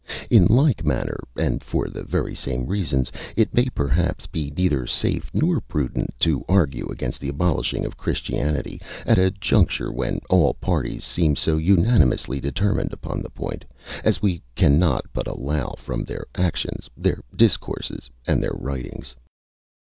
In like manner, and for the very same reasons, it may perhaps be neither safe nor prudent to argue against the abolishing of Christianity, at a juncture when all parties seem so unanimously determined upon the point, as we cannot but allow from their actions, their discourses, and their writings.